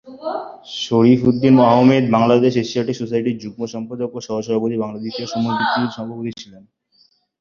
শরীফ Uddin Ahmed Bangladesh Asiatic সোসাইটির যুগ্ম-সম্পাদক ও সহ-সভাপতি এবং বাংলাদেশ ইতিহাস সমিতির সাধারণ সম্পাদক ও সভাপতি ছিলেন।